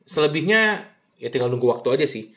selebihnya ya tinggal nunggu waktu aja sih